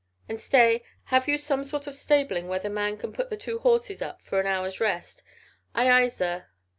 "And stay have you some sort of stabling where the man can put the two horses up for an hour's rest?" "Aye, aye, zir."